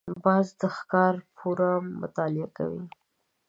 باز د ښکار پوره مطالعه کوي